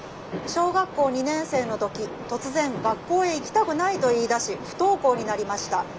「小学校２年生の時突然学校へ行きたくないと言いだし不登校になりました。